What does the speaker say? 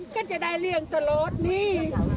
ก็จะได้เรียงตะโลดนี้